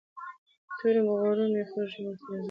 په تورو غرو مې خېژوي، ورسره ځمه